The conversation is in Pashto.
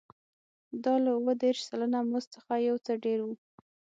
دا له اووه دېرش سلنه مزد څخه یو څه ډېر و